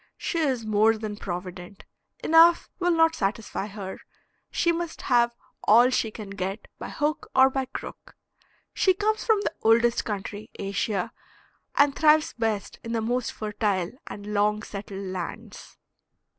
She is more than provident. Enough will not satisfy her, she must have all she can get by hook or by crook. She comes from the oldest country, Asia, and thrives best in the most fertile and long settled lands.